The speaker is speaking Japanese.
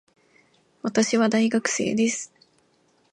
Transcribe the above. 私は大学生です。